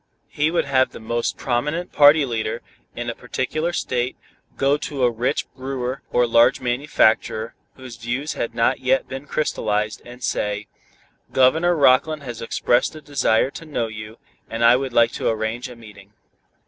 He would have the most prominent party leader, in a particular state, go to a rich brewer or large manufacturer, whose views had not yet been crystallized, and say, "Governor Rockland has expressed a desire to know you, and I would like to arrange a meeting."